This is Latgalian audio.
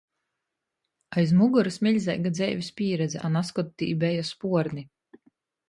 Aiz mugorys miļzeiga dzeivis pīredze, a nazkod tī beja spuorni